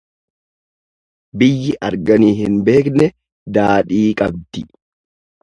Biyyi arganii hin beekne daadhii qabdi.